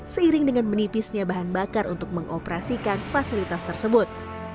seiring dengan menipisnya bahan bakar untuk mengoperasikan fasilitas tersebut